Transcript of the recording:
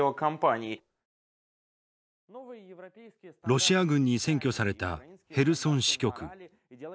ロシア軍に占拠されたへルソン支局。